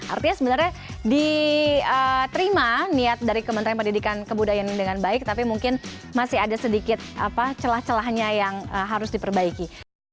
artinya sebenarnya diterima niat dari kementerian pendidikan kebudayaan dengan baik tapi mungkin masih ada sedikit celah celahnya yang harus diperbaiki